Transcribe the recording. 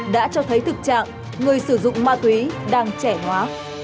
đã cho thấy thực trạng người sử dụng ma túy đang trẻ hóa